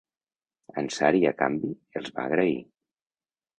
Ansari a canvi, els va agrair.